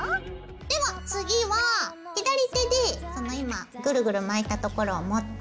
では次は左手でその今ぐるぐる巻いたところを持って。